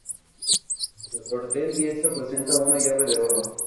El cuartel diestro presenta una llave de oro.